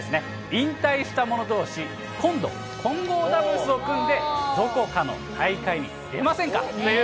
引退した者どうし、今度、混合ダブルスを組んで、どこかの大会にどうですか？